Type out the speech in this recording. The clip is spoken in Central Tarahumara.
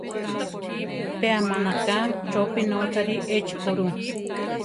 Pe amánaka chopí notzári echi ko ru.